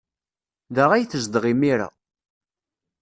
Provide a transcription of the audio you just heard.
Da ay tezdeɣ imir-a.